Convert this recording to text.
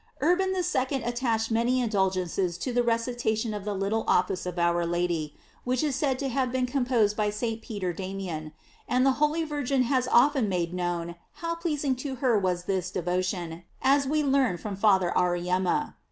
Urban II. attached many indulgences to the recitation of the little office of our Lady, which is said to have been composed by St. Peter Damian; and the holy Virgin has often made known how pleasing to her was this devotion, as we learn from Father Auriemma.